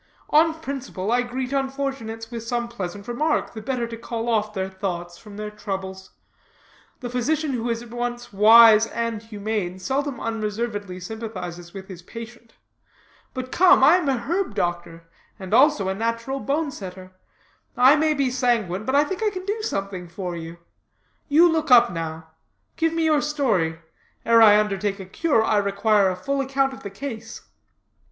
On principle, I greet unfortunates with some pleasant remark, the better to call off their thoughts from their troubles. The physician who is at once wise and humane seldom unreservedly sympathizes with his patient. But come, I am a herb doctor, and also a natural bone setter. I may be sanguine, but I think I can do something for you. You look up now. Give me your story. Ere I undertake a cure, I require a full account of the case."